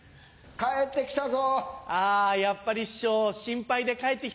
帰ってきたぞ。